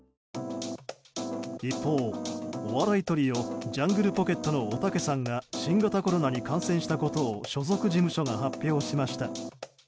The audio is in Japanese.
一方、お笑いトリオジャングルポケットのおたけさんが新型コロナに感染したことを所属事務所が発表しました。